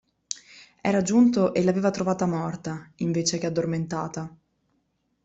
Era giunto e l'aveva trovata morta, invece che addormentata.